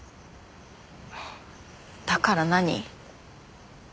だから何？